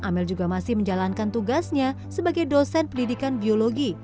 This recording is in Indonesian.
amel juga masih menjalankan tugasnya sebagai dosen pendidikan biologi